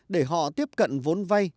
để họ tiếp cận vốn vay